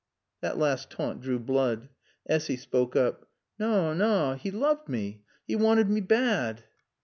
That last taunt drew blood. Essy spoke up. "Naw, naw. 'E looved mae. 'E wanted mae bad."